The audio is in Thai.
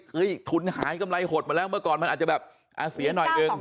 ทุนหายกำไรหดมาแล้วเมื่อก่อนมันอาจจะแบบเสียหน่อยหนึ่ง